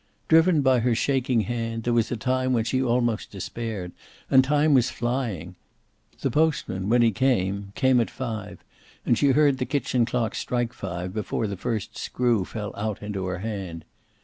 Driven by her shaking hand, there was a time when she almost despaired. And time was flying. The postman, when he came, came at five, and she heard the kitchen clock strike five before the first screw fell out into her hand.